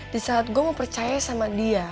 di saat gue mau percaya sama dia